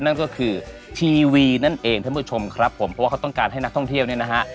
นั่นก็คือทีวีนั่นเองท่านผู้ชมครับผมเพราะว่าเขาต้องการให้นักท่องเที่ยวเนี่ยนะฮะ